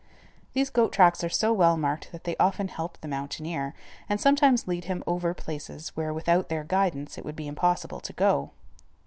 These goat tracks are so well marked that they often help the mountaineer, and sometimes lead him over places where without their guidance it would be impossible to go.